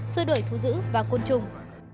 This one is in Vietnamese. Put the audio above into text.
xôi đuổi thú dữ và côn trùng